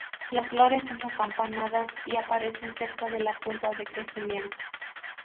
Las flores son acampanadas y aparecen cerca de la punta de crecimiento.